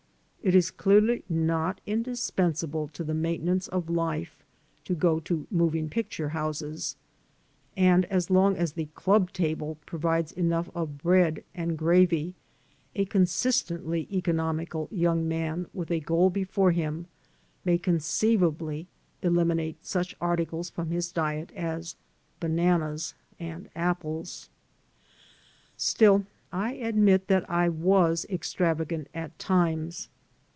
It is clearly not indispensable to the maintenance of life to go to ( moving picture houses; and as long as the club table I provides enough of bread and gravy, a consistently economical young man with a goal before him may conceivably eliminate such articles from his diet as bananas and apples. Still, I admit that I was extravagant at times.